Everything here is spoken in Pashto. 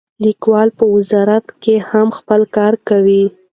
لیکوال په وزارت کې هم خپل کار کاوه.